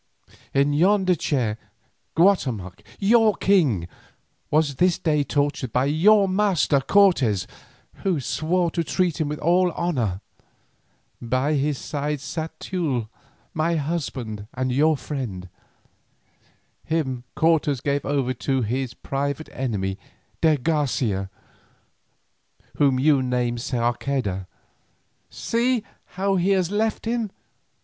In yonder chair Guatemoc your king was this day tortured by your master Cortes, who swore to treat him with all honour. By his side sat Teule, my husband and your friend; him Cortes gave over to his private enemy, de Garcia, whom you name Sarceda. See how he has left him.